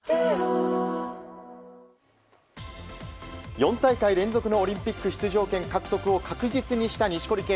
４大会連続のオリンピック出場権獲得を確実にした錦織圭。